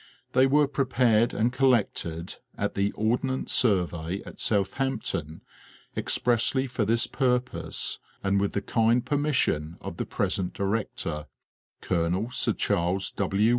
They were prepared and collected at the Ordnance Survey at Southampton expressly for this purpose and with the kind permission of the present director, Colonel Sir Charles W.